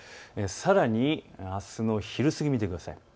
さらに、あすの昼過ぎを見てください。